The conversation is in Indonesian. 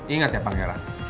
ingat ya pangeran